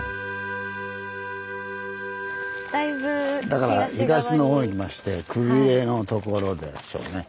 だから東のほうにいましてくびれのところでしょうね。